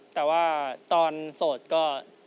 แต่ว่าตอนโสดก็